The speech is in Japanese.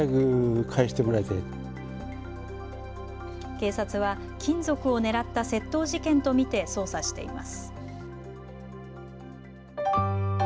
警察は金属を狙った窃盗事件と見て捜査しています。